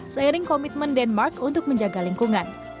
seiring komitmen denmark untuk menjaga lingkungan